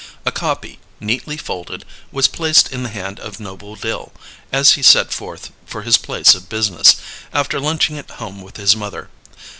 A copy, neatly folded, was placed in the hand of Noble Dill, as he set forth for his place of business, after lunching at home with his mother.